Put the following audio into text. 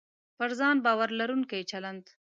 پر ځان باور لرونکی چلند